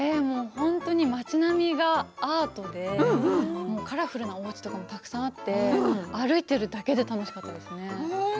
町並みがアートでカラフルなお餅とかもあって歩いているだけで楽しかったですね。